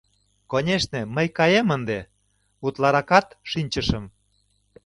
Конешне, мый каем ынде, утларакат шинчышым...